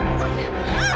mesya jangan irah